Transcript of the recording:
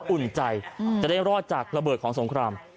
อุ่นใจจะได้รอดจากระเบิดของสงคราม